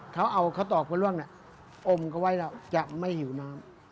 เขาเอาข้าวตอกพระร่วงอมเขาไว้แล้วจะไม่หิวน้ำ